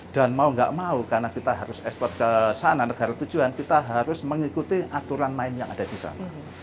dan mau nggak mau karena kita harus ekspor ke sana negara tujuan kita harus mengikuti aturan main yang ada di sana